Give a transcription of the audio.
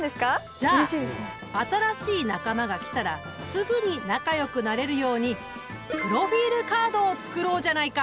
じゃあ新しい仲間が来たらすぐに仲よくなれるようにプロフィールカードを作ろうじゃないか！